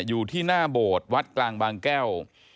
อยู่ที่หน้าโบสถ์วัดกลางบางแก้ว